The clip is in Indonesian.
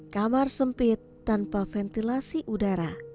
kamar sempit tanpa ventilasi udara